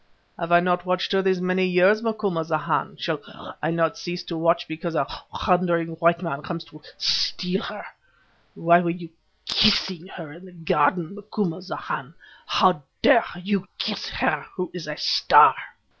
"Have I not watched her these many years, Macumazahn? Shall I cease to watch because a wandering white man comes to steal her? Why were you kissing her in the garden, Macumazahn? How dare you kiss her who is a star?"